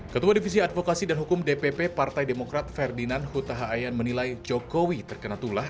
ketua divisi advokasi dan hukum dpp partai demokrat ferdinand huta hayan menilai jokowi terkena tulah